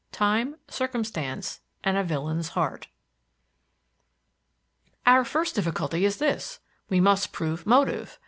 XIII. TIME, CIRCUMSTANCE, AND A VILLAIN'S HEART "Our first difficulty is this. We must prove motive.